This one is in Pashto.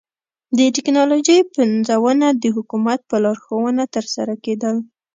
د ټکنالوژۍ پنځونه د حکومت په لارښوونه ترسره کېدل.